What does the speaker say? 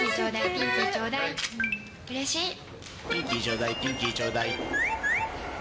ピンキーちょうだいピンキーちょうだい。